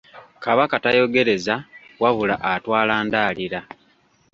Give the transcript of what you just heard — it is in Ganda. Kabaka tayogereza wabula atwala ndaalira.